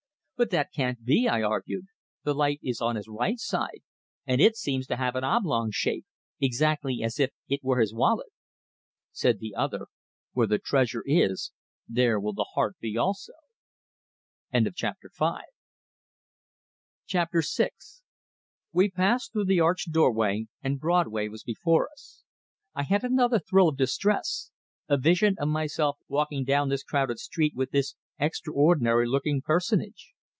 "But that can't be!" I argued. "The light is on his right side; and it seems to have an oblong shape exactly as if it were his wallet." Said the other: "Where the treasure is, there will the heart be also." VI We passed out through the arched doorway, and Broadway was before us. I had another thrill of distress a vision of myself walking down this crowded street with this extraordinary looking personage.